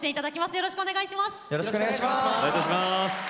よろしくお願いします。